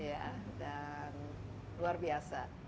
iya dan luar biasa